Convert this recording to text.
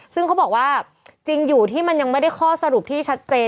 ซึ่งเขาบอกว่าจริงอยู่ที่มันยังไม่ได้ข้อสรุปที่ชัดเจน